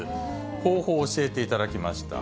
方法、教えていただきました。